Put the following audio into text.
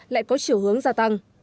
lại có chiều hướng gia tăng